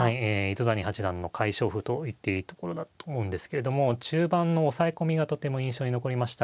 糸谷八段の快勝譜と言っていいところだと思うんですけれども中盤の押さえ込みがとても印象に残りました。